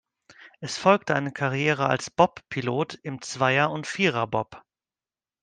Es folgte eine Karriere als Bobpilot im Zweier- und Viererbob.